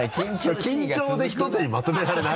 「緊張」で１つにまとめられない？